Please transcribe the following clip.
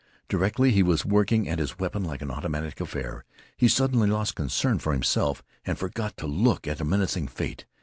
Directly he was working at his weapon like an automatic affair. He suddenly lost concern for himself, and forgot to look at a menacing fate.